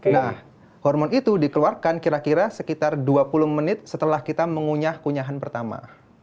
nah hormon itu dikeluarkan kira kira sekitar dua puluh menit setelah kita mengunyah kunyahan pertama